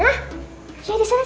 ya disana disana